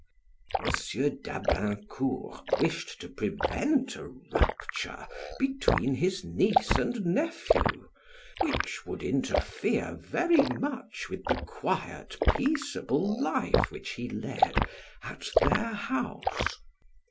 M. d'Ablaincourt wished to prevent a rupture between his niece and nephew, which would interfere very much with the quiet, peaceable life which he led at their house.